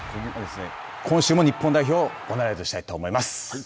今週も、日本代表をボナライズしたいと思います。